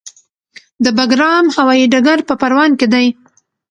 د بګرام هوايي ډګر په پروان کې دی